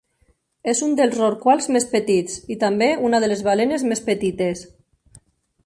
És un dels rorquals més petits i també una de les balenes més petites.